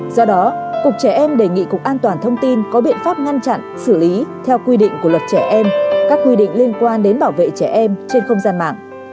do đó cục trẻ em đề nghị cục an toàn thông tin có biện pháp ngăn chặn xử lý theo quy định của luật trẻ em các quy định liên quan đến bảo vệ trẻ em trên không gian mạng